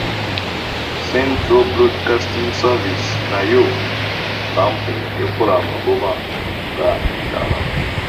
Central Broadcasting Service nayo kampuni ekola magoba ng’endala.